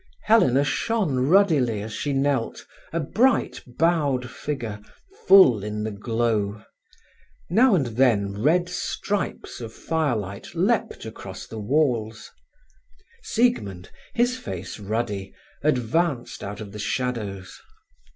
Helena shone ruddily as she knelt, a bright, bowed figure, full in the glow. Now and then red stripes of firelight leapt across the walls. Siegmund, his face ruddy, advanced out of the shadows.